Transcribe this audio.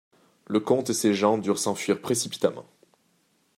Le comte et ses gens durent s’enfuirent précipitamment.